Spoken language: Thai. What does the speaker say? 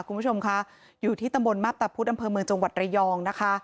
คุณผู้ชมค่ะอยู่ที่ตำบลมาพตะพุธอำเภอเมืองจังหวัดระยองนะคะ